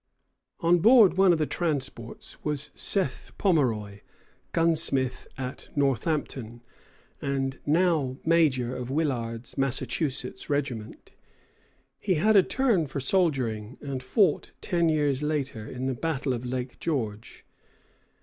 On board one of the transports was Seth Pomeroy, gunsmith at Northampton, and now major of Willard's Massachusetts regiment. He had a turn for soldiering, and fought, ten years later, in the battle of Lake George.